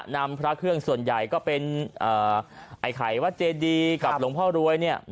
นำพระเครื่องส่วนใหญ่ก็เป็นไอ้ไข่วัดเจดีกับหลวงพ่อรวยเนี่ย